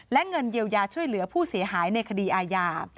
และเงินเยียวยาช่วยเหลือผู้เสียหายในคดีอาญา